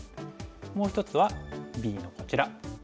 もう１つはＢのこちら。